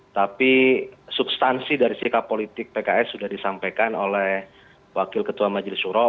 tapi substansi dari sikap politik pks sudah disampaikan oleh wakil ketua majelis suro